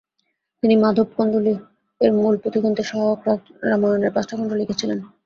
তিনি মাধব কন্দলী-এর মূল পুথিগ্রন্থের সহায়ক রামায়ণ-এর পাঁচটা খণ্ড লিখেছিলেন।